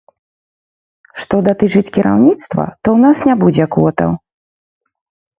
Што датычыць кіраўніцтва, то ў нас не будзе квотаў.